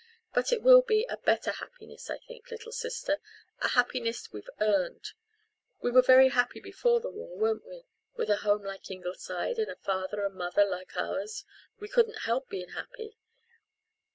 But it will be a better happiness, I think, little sister a happiness we've earned. We were very happy before the war, weren't we? With a home like Ingleside, and a father and mother like ours we couldn't help being happy.